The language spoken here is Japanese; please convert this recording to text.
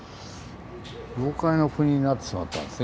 妖怪の国になってしまったんですね